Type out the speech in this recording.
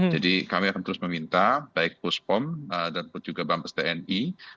jadi kami akan terus meminta baik puspom dan juga mabes tni